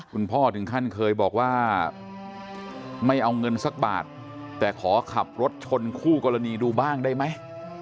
คุณพ่อถึงขั้นเคยบอกว่าไม่เอาเงินสักบาทแต่ขอขับรถชนคู่กรณีดูบ้างได้ไหม